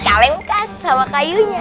kalem bekas sama kayunya